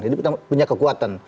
ini punya kekuatan